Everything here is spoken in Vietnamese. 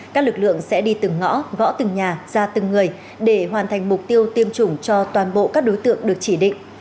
các lực lượng sẽ đi từng ngõ gõ từng nhà ra từng người để hoàn thành mục tiêu tiêm chủng cho toàn bộ các đối tượng được chỉ định